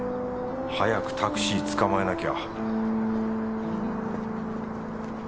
早くタクシー捕まえなきゃ